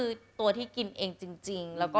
สวัสดีค่ะ